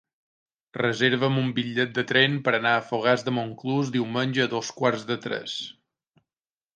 Reserva'm un bitllet de tren per anar a Fogars de Montclús diumenge a dos quarts de tres.